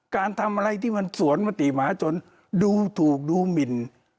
การทำอะไรที่มันสวนมติหมาจนดูถูกดูหมิน